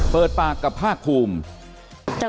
เปิดปากกับภาคภูมิ